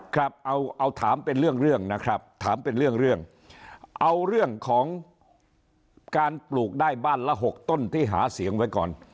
ครับเอาถามเป็นเรื่องเรื่องนะครับถามเป็นเรื่องเอาเรื่องของการปลูกได้บ้านละ๖ต้นที่หาเสียงไว้ก่อน